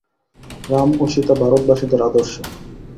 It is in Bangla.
রাম ও সীতা ভারতবাসীদের আদর্শ।